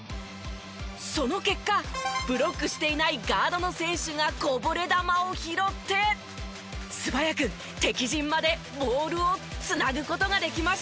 その結果ブロックしていないガードの選手がこぼれ球を拾って素早く敵陣までボールを繋ぐ事ができました。